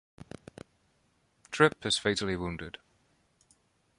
Trip is fatally wounded.